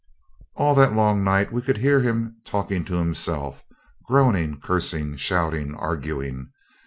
All that long night we could hear him talking to himself, groaning, cursing, shouting, arguing.